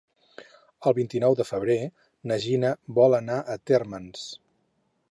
El vint-i-nou de febrer na Gina vol anar a Térmens.